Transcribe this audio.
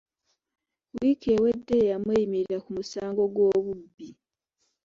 Wiiki ewedde ye yamweyimirira ku musango gw’obubbi.